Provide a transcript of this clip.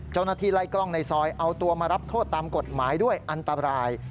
เจ้าหน้าที่ไล่กล้องในซอยเอาตัวมารับโทษตามกฎหมายด้วยอันตราย